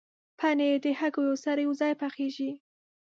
پنېر د هګیو سره یوځای پخېږي.